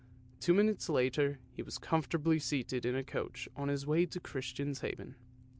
Two minutes later he was comfortably seated in a coach on his way to Christian's Haven.